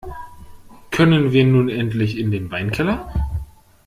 Können wir nun endlich in den Weinkeller?